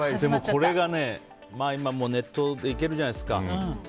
これが、今、ネットでいけるじゃないですか。